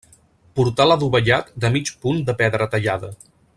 Portal adovellat de mig punt de pedra tallada.